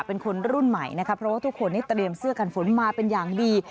เป็นคนรุ่นใหม่นะคะเพราะว่าทุกคนนี้เตรียมเสื้อกันฝนมาเป็นอย่างดี